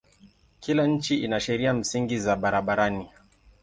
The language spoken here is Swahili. Kila nchi ina sheria msingi za barabarani.